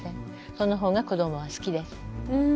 そのほうが子どもは好きです。